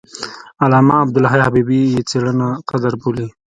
علامه عبدالحي حبیبي یې څېړنه قدر بولي.